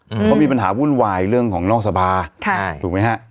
เพราะมีปัญหาวุ่นวายเรื่องของนอกสภาค่ะถูกไหมฮะ